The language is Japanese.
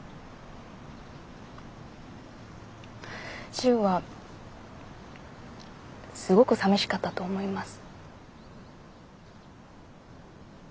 ジウはすごくさみしかったと思います。